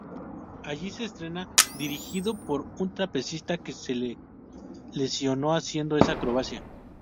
Allí se entrena dirigido por un trapecista que se lesionó haciendo esa acrobacia.